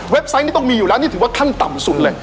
ไซต์นี้ต้องมีอยู่แล้วนี่ถือว่าขั้นต่ำสุดเลย